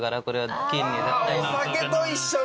お酒と一緒にね！